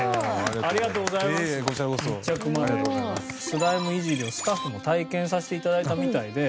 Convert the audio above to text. スライムいじりをスタッフも体験させて頂いたみたいで。